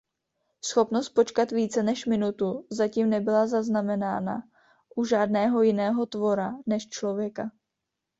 Schopnost počkat více než minutu zatím nebyla zaznamenána u žádného jiného tvora než člověka.